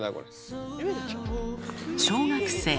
小学生。